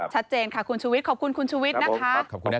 ชัดเจนค่ะคุณชุวิตขอบคุณคุณชุวิตนะคะ